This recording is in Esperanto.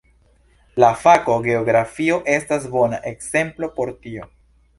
La fako geografio estas bona ekzemplo por tio.